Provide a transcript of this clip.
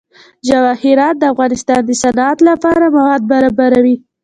جواهرات د افغانستان د صنعت لپاره مواد برابروي.